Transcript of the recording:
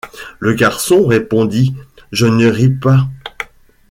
Le garçon répondit: — Je ne ris pas.